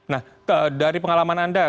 nah dari pengalaman anda